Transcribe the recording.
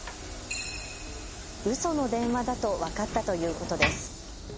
うその電話だと分かったということです。